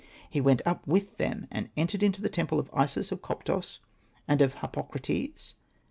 He went up with them and entered into the temple of Isis of Koptos and of Harpo krates.